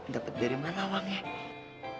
dapet dari mana uangnya